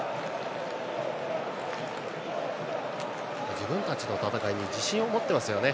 自分たちの戦いに自信を持っていますよね。